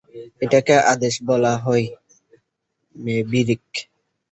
এটাকে আদেশ বলা হয়, ম্যাভরিক।